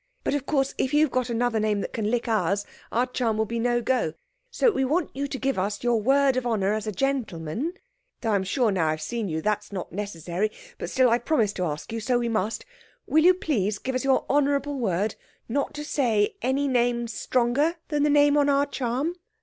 But, of course, if you've got another name that can lick ours, our charm will be no go; so we want you to give us your word of honour as a gentleman—though I'm sure, now I've seen you, that it's not necessary; but still I've promised to ask you, so we must. Will you please give us your honourable word not to say any name stronger than the name on our charm?"